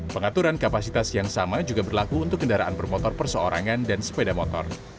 pengaturan kapasitas yang sama juga berlaku untuk kendaraan bermotor perseorangan dan sepeda motor